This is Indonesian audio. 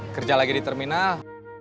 kerja lagi di terminal